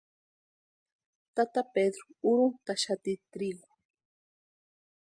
Tata Pedru urhuntʼaxati trigu.